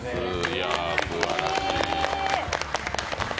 すばらしい。